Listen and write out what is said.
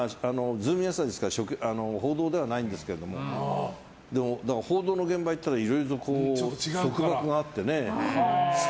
「ズームイン」は報道ではないんですけど報道の現場に行ったらいろいろと束縛があってね。